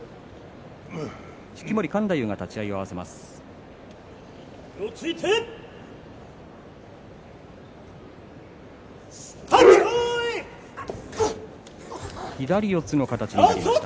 式守勘太夫が立ち合いを合わせます。